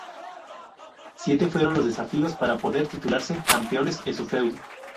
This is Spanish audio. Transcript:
Siete fueron los desafíos para poder titularse campeones en su feudo.